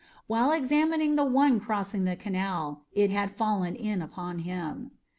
While examining the one crossing the canal, it had fallen in upon him.